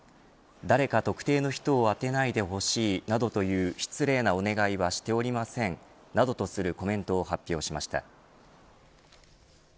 誰か特定の人を当てないでほしいなどという失礼なお願いはしておりませんなどとするコメントを発表しました。